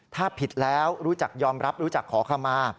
ถ้าผิดแล้วรู้จักยอมรับรู้จักขอขมา